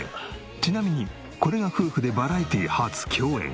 ちなみにこれが夫婦でバラエティ初共演。